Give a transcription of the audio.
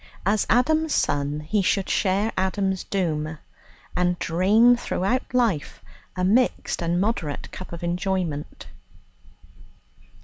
As Adam's son he should share Adam's doom, and drain throughout life a mixed and moderate cup of enjoyment.